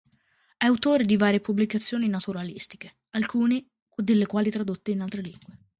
È autore di varie pubblicazioni naturalistiche, alcune delle quali tradotte in altre lingue.